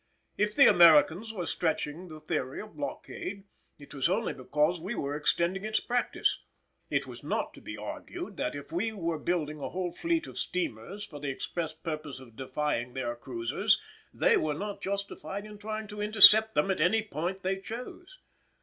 If the Americans were stretching the theory of blockade, it was only because we were extending its practice. It was not to be argued that, if we were building a whole fleet of steamers for the express purpose of defying their cruisers, they were not justified in trying to intercept them at any point they chose.